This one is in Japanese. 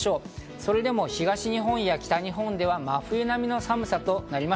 それでも東日本や北日本では真冬並みの寒さとなりそうです。